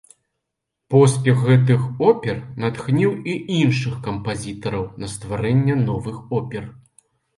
Поспех гэтых опер натхніў і іншых кампазітараў на стварэнне новых опер.